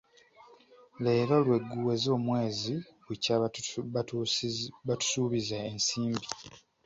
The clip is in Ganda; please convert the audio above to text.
Leero lwe guweze omwezi bukya batusuubiza ensimbi.